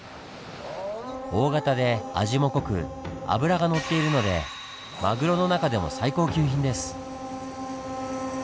大型で味も濃く脂がのっているのでマグロの中でも最高級品です。